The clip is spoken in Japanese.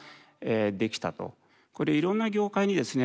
これいろんな業界にですね